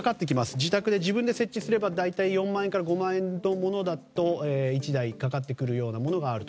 自宅で、自分で設置すれば大体４万円から５万円のものだと１台かかってくるようなものがあると。